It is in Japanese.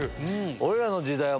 俺らの時代は。